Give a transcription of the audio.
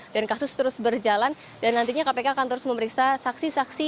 dan kasus terus berjalan dan nantinya kpk akan terus memeriksa saksi saksi